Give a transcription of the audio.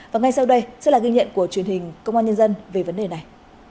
và ngay sau đây sẽ là ghi nhận của truyền hình công an nhân dân về vấn đề này